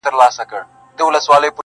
يوه ښځه شربت ورکوي او هڅه کوي مرسته وکړي,